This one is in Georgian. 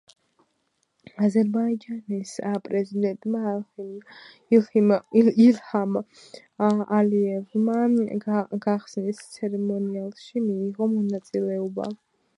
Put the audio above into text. აზერბაიჯანის პრეზიდენტმა ილჰამ ალიევმა, გახსნის ცერემონიალში მიიღო მონაწილეობა.